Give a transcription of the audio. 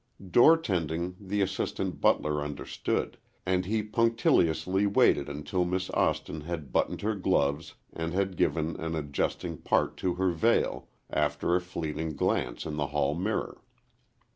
Door tending the assistant butler understood, and he punctiliously waited until Miss Austin had buttoned her gloves and had given an adjusting pat to her veil, after a fleeting glance in the hall mirror.